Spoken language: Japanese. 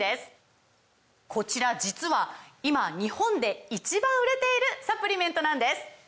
こちら実は今日本で１番売れているサプリメントなんです！